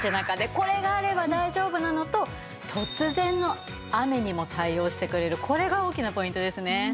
これがあれば大丈夫なのと突然の雨にも対応してくれるこれが大きなポイントですね。